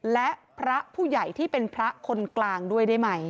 และพระผู้ใหญ่ที่เป็นพระคนกลางด้วยได้ไหม